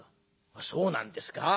「そうなんですか。